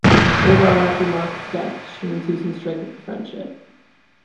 Later on after Mark's death, she and Susan strike up a friendship.